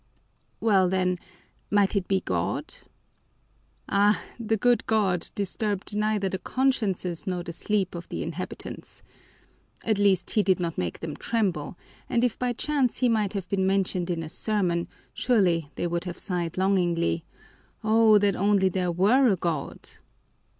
Well then, might it be God? Ah, the good God disturbed neither the consciences nor the sleep of the inhabitants. At least, He did not make them tremble, and if by chance He might have been mentioned in a sermon, surely they would have sighed longingly, "Oh, that only there were a God!"